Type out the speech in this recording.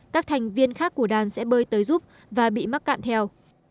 các thành viên khác của đàn sẽ bơi tới giúp và bị mắc cạn theo